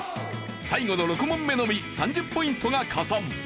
最後の６問目のみ３０ポイントが加算。